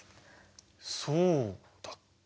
そうだっけ？